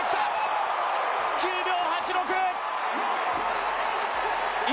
９秒８６！